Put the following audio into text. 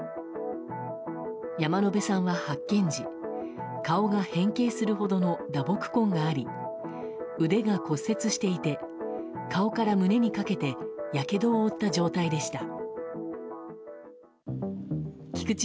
山野辺さんは発見時顔が変形するほどの打撲痕があり腕が骨折していて顔から胸にかけてやけどを負った状態でした。